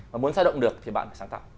và muốn sai động được thì bạn phải sáng tạo